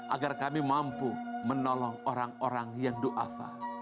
agar kami mampu menolong orang orang yang du'afa